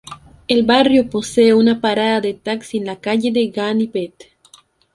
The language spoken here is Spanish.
El barrio posee una parada de taxi en la calle de Ganivet.